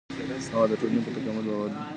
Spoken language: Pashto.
هغه د ټولني په تکامل باور درلود.